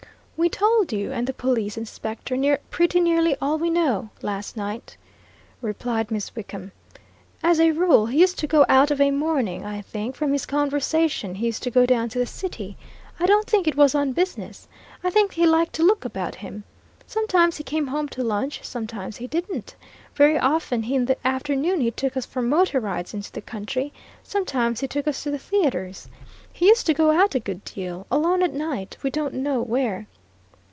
"We told you and the police inspector pretty nearly all we know, last night," replied Miss Wickham. "As a rule, he used to go out of a morning I think, from his conversation, he used to go down to the City. I don't think it was on business: I think, he liked to look about him. Sometimes he came home to lunch; sometimes he didn't. Very often in the afternoon he took us for motor rides into the country sometimes he took us to the theatres. He used to go out a good deal, alone at night we don't know where."